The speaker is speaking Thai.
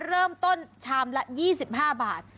เริ่มต้นชามละ๒๕บาท